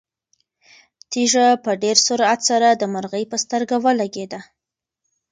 تیږه په ډېر سرعت سره د مرغۍ په سترګه ولګېده.